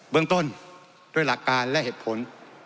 เมืองต้นด้วยหลักการและเหตุผล